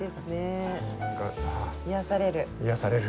癒やされる。